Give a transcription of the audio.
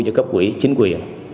cho các quỹ chính quyền